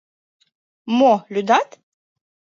— Мо, лӱдат?